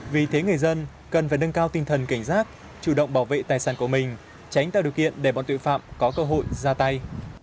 vì thế người dân cần phải nâng cao tinh thần cảnh giác chủ động bảo vệ tài sản của mình tránh tạo điều kiện để bọn tội phạm có cơ hội ra tay